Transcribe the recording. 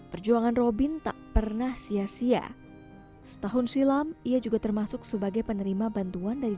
perjuangan robin tak pernah sia sia setahun silam ia juga termasuk sebagai penerima bantuan dari